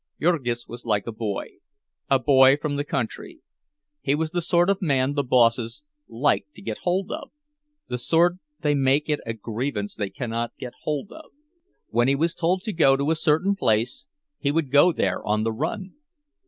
Jurgis was like a boy, a boy from the country. He was the sort of man the bosses like to get hold of, the sort they make it a grievance they cannot get hold of. When he was told to go to a certain place, he would go there on the run.